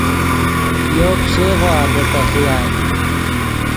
یو پیشئیغوآ دے تے خیال